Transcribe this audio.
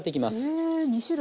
へ２種類。